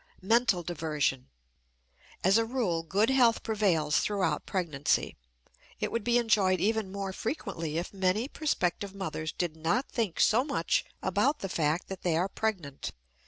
MENTAL DIVERSION. As a rule good health prevails throughout pregnancy; it would be enjoyed even more frequently if many prospective mothers did not think so much about the fact that they are pregnant.